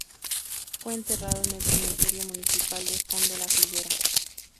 Fue enterrado en el cementerio municipal de Font de la Figuera.